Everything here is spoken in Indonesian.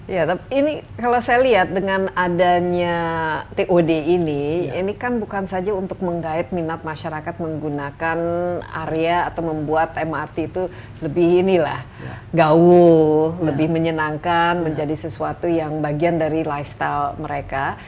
ya ini kalau saya lihat dengan adanya tod ini ini kan bukan saja untuk menggait minat masyarakat menggunakan area atau membuat mrt itu lebih inilah gaul lebih menyenangkan menjadi sesuatu yang bagian dari lifestyle mereka